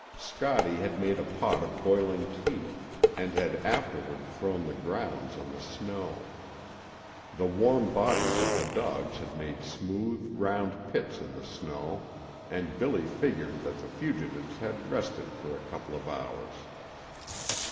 Scottie had made a pot of boiling tea and had afterward thrown the grounds on the snow. The warm bodies of the dogs had made smooth, round pits in the snow, and Billy figured that the fugitives had rested for a couple of hours.